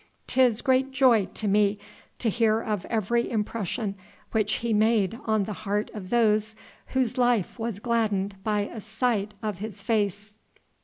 'Tis great joy to me to hear of every impression which He made on the heart of those whose life was gladdened by a sight of His face."